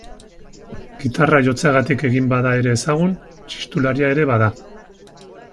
Gitarra jotzeagatik egin bada ere ezagun txistularia ere bada.